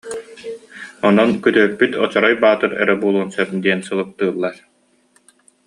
Онон күтүөппүт Очорой Баатыр эрэ буолуон сөп диэн сылыктыыллар